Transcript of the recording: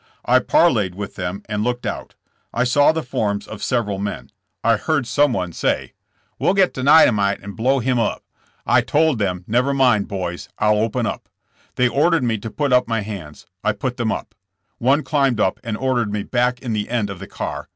"I parleyed with them and looked out. I saw the forms of several men. I heard some one say: THE TRIAL FOR TRAIN ROBBERY. 153 'We'll get the dynamite and blow him up.' I told them never mind, boys, I'll open up. They ordered me to put up my hands. I put them up. One climbed up and ordered me back in the end of the car.